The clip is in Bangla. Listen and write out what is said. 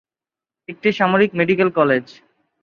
একটি সামরিক মেডিকেল কলেজ।